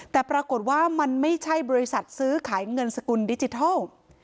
แต่ปรากฏว่ามันไม่ใช่บริษัทซื้อขายเงินสกุลดิจิทัล